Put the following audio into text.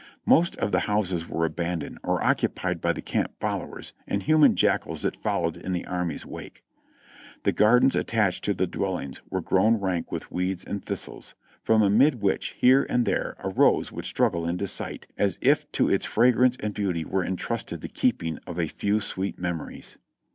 Most of the houses were abandoned or oc cupied by the camp followers and human jackals that followed in the army's wake. The gardens attached to the dwellings were grown rank with weeds and thistles, from amid which here and there a rose would struggle into sight, as if to its fragrance and beauty were entrusted the keeping of a few sweet memories.